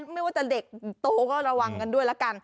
ไม่ว่าจะเด็กโตก็ระวังกันด้วยละกัน